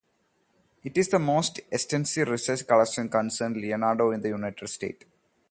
It is the most extensive research collection concerning Leonardo in the United States.